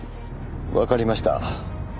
わかりました。